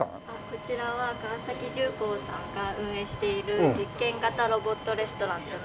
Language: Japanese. こちらは川崎重工さんが運営している実験型ロボットレストランとなっています。